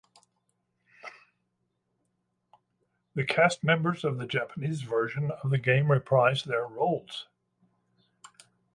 The cast members of the Japanese version of the game reprise their roles.